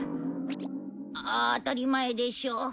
当たり前でしょ。